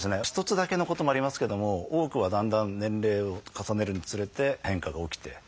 一つだけのこともありますけども多くはだんだん年齢を重ねるにつれて変化が起きて。